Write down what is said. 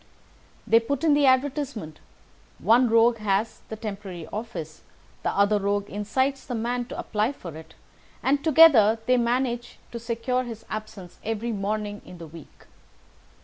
They put in the advertisement, one rogue has the temporary office, the other rogue incites the man to apply for it, and together they manage to secure his absence every morning in the week.